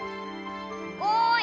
おい！